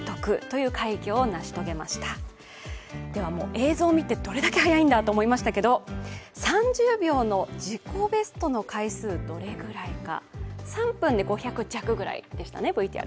映像を見てどれだけ速いんだと思いましたけど３０秒の自己ベストの回数、どれぐらいか、３分で５００弱ぐらいでしたね。